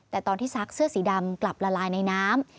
แต่ตอนที่ซักเสื้อสีดำกลับละลายในน้ำ